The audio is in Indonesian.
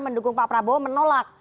mendukung pak prabowo menolak